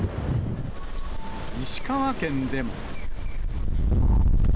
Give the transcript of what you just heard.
石川県でも。